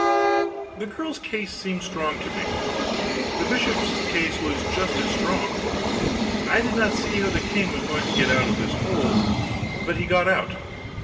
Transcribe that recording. The girl's case seemed strong to me; the bishop's case was just as strong. I did not see how the king was going to get out of this hole. But he got out.